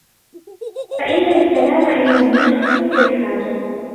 فَإِنَّ الْكَلَامَ إنْ لَمْ يَنْحَصِرْ بِالْحَاجَةِ